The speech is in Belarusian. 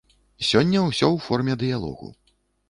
Сёння ўсё ў форме дыялогу.